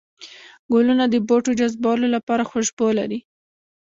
گلونه د بوټو جذبولو لپاره خوشبو لري